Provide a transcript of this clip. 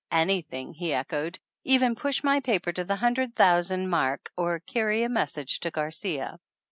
"Anything !" he echoed. "Even push my paper to the hundred thousand mark or carry a message to Garcia."